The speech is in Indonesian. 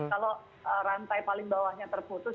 kalau rantai paling bawahnya terputus